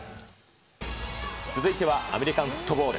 続いてはアメリカンフットボール。